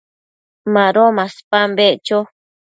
Mado maspan beccho